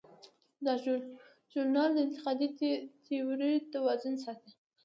دا ژورنال د انتقادي تیورۍ توازن ساتي.